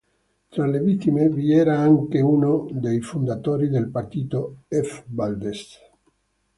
Tra le vittime vi era anche uno dei fondatori del partito F. Valdez.